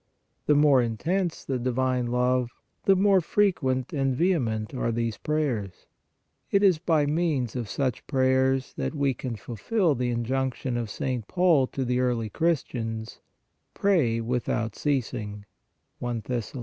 The more intense the divine love, the more frequent and vehement are these prayers. It is by means of such prayers that we can fulfil the injunction of St. Paul to the early Christians :" Pray without ceasing" (I Thess.